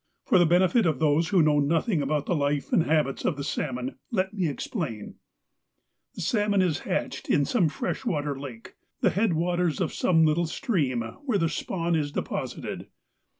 For the benefit of those who know nothing about the life and habits of the salmon, let me explain : The salmon is hatched in some fresh water lake, the head waters of some little stream, where the spawn is deposited.